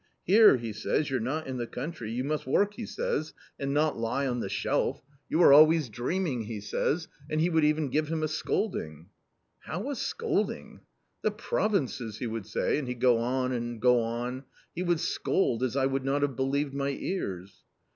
Here,' he says, 'you're not in the country, you must work,' he says, ' and not A COMMON STORY 247 lie on the shelf ! You are always dreaming,' he says ! And he would even give him a scolding." " How a scolding ?"" The provinces !" he would say, and he'd go on and go on .... he would scold as I would not have believed my ears."